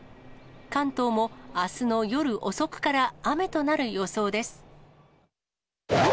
関東もあすの夜遅くから雨となる予想です。